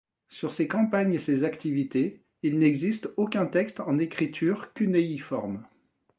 Sur ses campagnes et ses activités, il n'existe aucun texte en écriture cunéiforme.